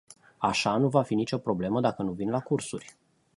Așa nu va fi nicio problemă dacă nu vin la cursuri.